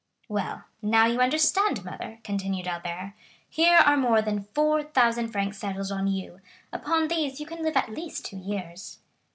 "Well, now you understand, mother!" continued Albert; "here are more than 4,000 francs settled on you; upon these you can live at least two years."